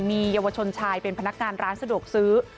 มีเยาวชนชายเป็นพนักงานร้านสะดวกซื้อ